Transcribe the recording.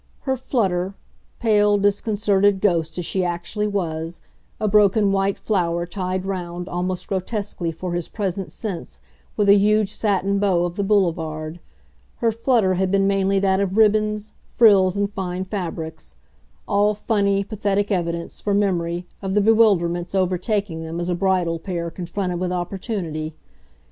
Her flutter pale disconcerted ghost as she actually was, a broken white flower tied round, almost grotesquely for his present sense, with a huge satin "bow" of the Boulevard her flutter had been mainly that of ribbons, frills and fine fabrics; all funny, pathetic evidence, for memory, of the bewilderments overtaking them as a bridal pair confronted with opportunity.